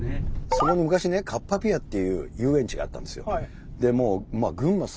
その昔カッパピアっていう遊園地があったんですよ。